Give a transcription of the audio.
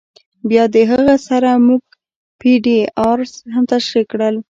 بیا د هغه سره مونږ پی ډی آریز هم تشریح کړل.